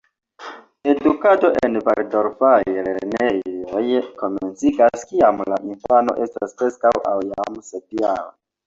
Edukado en valdorfaj lernejoj komenciĝas kiam la infano estas preskaŭ aŭ jam sepjara.